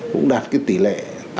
cũng đạt tỷ lệ tám mươi sáu ba mươi bảy